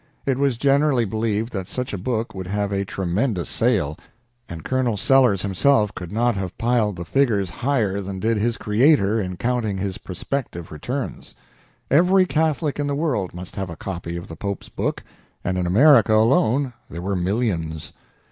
It was generally believed that such a book would have a tremendous sale, and Colonel Sellers himself could not have piled the figures higher than did his creator in counting his prospective returns. Every Catholic in the world must have a copy of the Pope's book, and in America alone there were millions.